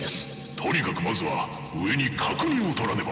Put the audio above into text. とにかくまずは上に確認をとらねば。